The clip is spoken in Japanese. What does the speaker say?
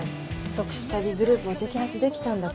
特殊詐欺グループを摘発できたんだから。